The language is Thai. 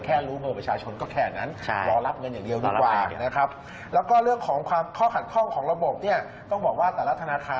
แค่รู้เบอร์ประชาชนก็แค่นั้น